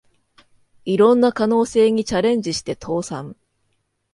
いろんな可能性にチャレンジして倒産